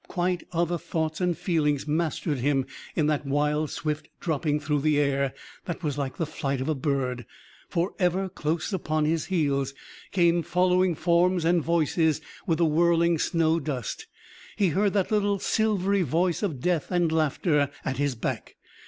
Quite other thoughts and feelings mastered him in that wild, swift dropping through the air that was like the flight of a bird. For ever close upon his heels came following forms and voices with the whirling snow dust. He heard that little silvery voice of death and laughter at his back.